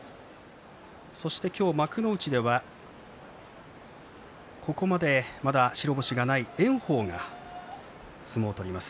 幕内ではここまでまだ白星がない炎鵬が相撲を取ります。